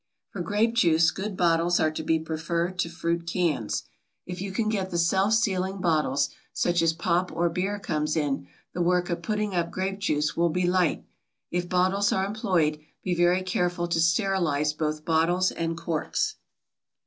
For grape juice good bottles are to be preferred to fruit cans. If you can get the self sealing bottles, such as pop or beer comes in, the work of putting up grape juice will be light. If bottles are employed, be very careful to sterilize both bottles and corks.